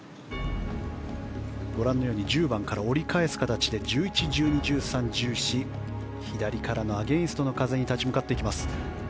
１０番から折り返す形で１１、１２、１３、１４は左からのアゲンストの風に立ち向かっていきます。